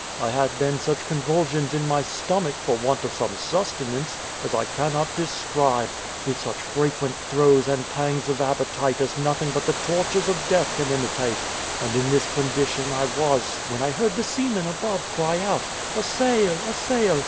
I had then such convulsions in my stomach, for want of some sustenance, as I cannot describe; with such frequent throes and pangs of appetite as nothing but the tortures of death can imitate; and in this condition I was when I heard the seamen above cry out, 'A sail! a sail!'